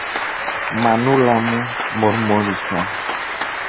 Μανούλα μου. μουρμούρισε.